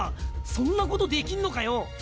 そんなことできんのかよ。